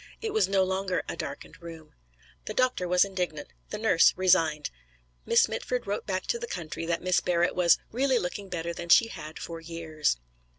It was no longer a darkened room. The doctor was indignant; the nurse resigned. Miss Mitford wrote back to the country that Miss Barrett was "really looking better than she had for years."